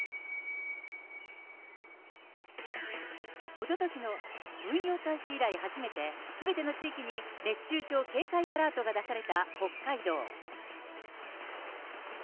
おととしの運用開始以来初めて、すべての地域に熱中症警戒アラートが出された北海道。